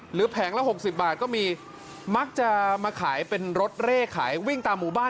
แผงละ๖๐บาทก็มีมักจะมาขายเป็นรถเร่ขายวิ่งตามหมู่บ้าน